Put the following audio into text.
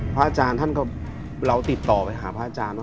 พระอาจารย์ท่านก็เราติดต่อไปหาพระอาจารย์ว่า